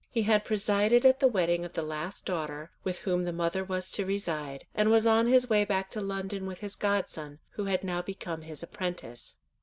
He had presided at the wedding of the last daughter, with whom the mother was to reside, and was on his way back to London with his godson, who had now become his apprentice.